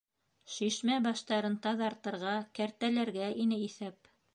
— Шишмә баштарын таҙартырға, кәртәләргә ине иҫәп.